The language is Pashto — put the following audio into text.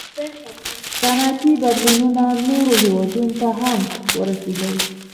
• صنعتي بدلونونه نورو هېوادونو ته هم ورسېدل.